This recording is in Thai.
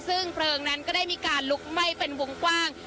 ซึ่งเพลิงนั้นก็ได้มีการลุกไหม้เป็นวงกว้าง